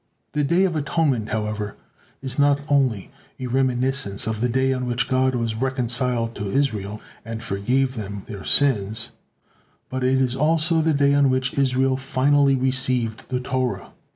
The Day of Atonement, however, is not only a reminiscence of the day on which God was reconciled to Israel and forgave them their sins, but it is also the day on which Israel finally received the Torah.